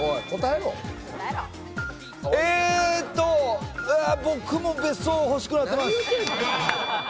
えと、僕も別荘欲しくなってます。